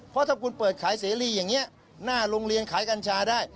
เพราะถ้าคุณเปิดขายเสรีอย่างนี้หน้าโรงเรียนขายกัญชาได้